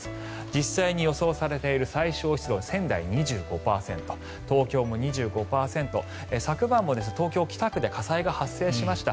実際に予想されている最小湿度仙台、２５％東京も２５％昨晩も東京・北区で火災が発生しました。